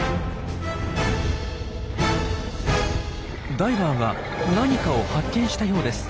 ダイバーが何かを発見したようです。